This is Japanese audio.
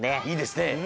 いいですね！